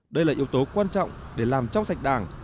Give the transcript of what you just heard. đây là yếu tố quan trọng để làm trong sạch đảng